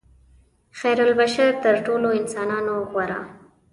خیرالبشر تر ټولو انسانانو غوره.